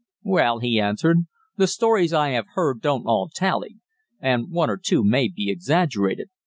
"Well," he answered, "the stories I have heard don't all tally, and one or two may be exaggerated.